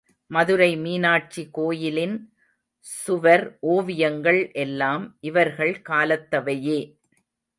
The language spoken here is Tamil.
மதுரை மீனாட்சி கோயிலின் சுவர் ஓவியங்கள் எல்லாம் இவர்கள் காலத்தவையே.